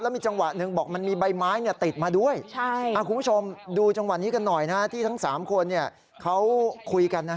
แล้วมีจังหวะหนึ่งบอกมันมีใบไม้เนี้ยติดมาด้วยใช่อ่าคุณผู้ชมดูจังหวัดนี้กันหน่อยนะฮะที่ทั้งสามคนเนี้ยเขาคุยกันนะฮะ